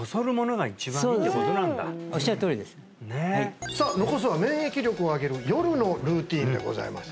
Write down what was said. はいねっさあ残すは免疫力を上げる夜のルーティンでございます